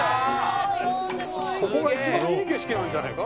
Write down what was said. ここが一番いい景色なんじゃねえか？